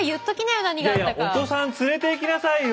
いやいやお子さん連れていきなさいよ！